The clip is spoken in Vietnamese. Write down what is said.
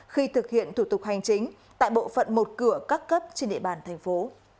khi thực hiện thủ tục hành chính tại bộ phận một cửa các cấp trên địa bàn thành phố